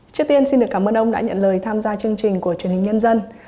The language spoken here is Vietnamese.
trước tiên xin được cảm ơn ông đã nhận lời tham gia chương trình của truyền hình nhân dân